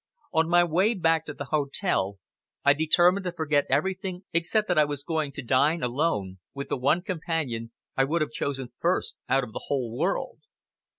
On my way back to the hotel, I determined to forget everything except that I was going to dine alone with the one companion I would have chosen first out of the whole world.